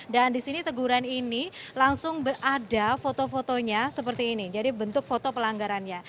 dan di sini teguran ini langsung berada foto fotonya seperti ini jadi bentuk foto pelanggarannya